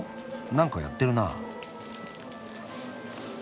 なんかやってるな。